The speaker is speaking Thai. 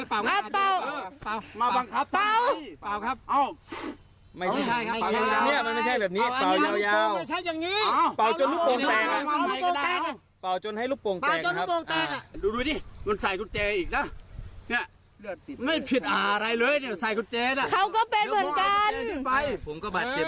เลือดไม่ผิดอะไรเลยเนี้ยใส่กุญแจน่ะเขาก็เป็นเหมือนกันผมก็บาดเจ็บ